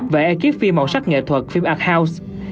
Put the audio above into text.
và ekip phim màu sắc nghệ thuật phim art house